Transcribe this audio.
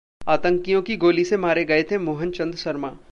आतंकियों की गोली से मारे गए थे मोहन चंद शर्मा